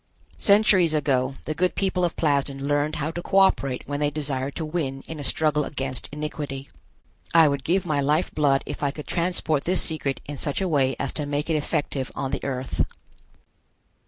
Centuries ago the good people of Plasden learned how to co operate when they desired to win in a struggle against iniquity. I would give my life blood if I could transport this secret in such a way as to make it effective on the Earth.